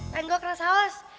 tengok keras haus